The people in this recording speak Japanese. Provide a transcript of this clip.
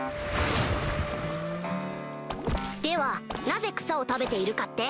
ではなぜ草を食べているかって？